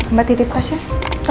mbak titip tas ya